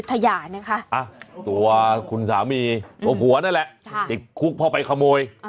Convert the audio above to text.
ตัวคุณสามีตัวผัวนั่นแหละติดคุกเพราะไปขโมย